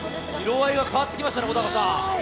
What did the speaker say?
色合いが変わってきましたね。